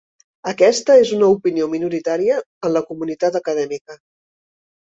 Aquesta és una opinió minoritària en la comunitat acadèmica.